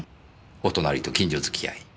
お隣と近所付き合い？